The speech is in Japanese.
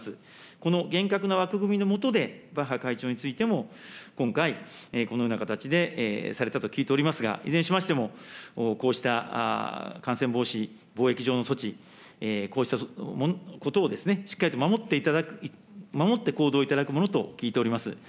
この厳格な枠組みの下で、バッハ会長についても、今回、このような形でされたと聞いておりますが、いずれにしましても、こうした感染防止、防疫上の措置、こうしたことをしっかりと守って、行動いただくものと聞いております。